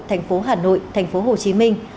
thành phố hà nội thành phố hồ chí minh